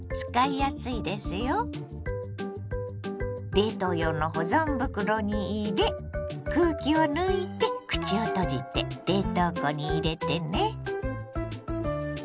冷凍用の保存袋に入れ空気を抜いて口を閉じて冷凍庫に入れてね。